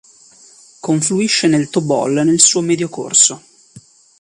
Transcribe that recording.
Confluisce nel Tobol nel suo medio corso.